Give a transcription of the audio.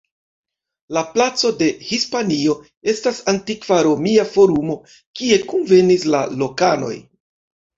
La placo de Hispanio estas antikva Romia Forumo kie kunvenis la lokanoj.